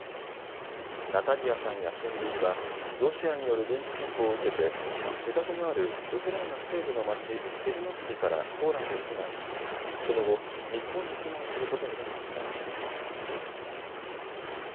ナタリヤさんや親類はロシアによる軍事侵攻を受けて自宅のあるウクライナ西部の街、テルノピリからポーランドに避難しその後、日本に避難することになりました。